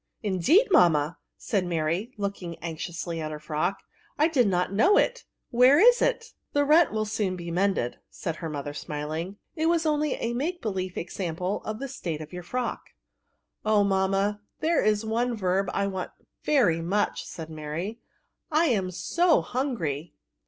*' Indeed, mamma !" said Mary, looking anxiously at her frock, " I did not know it ; where is it?" The rent will be soon mended," said her mother, smiling ;^^ it was only a make be lief example of the state of your frock." '^ Oh, mamma, there is one verb I want very much," said Mary ;" I am so hungry."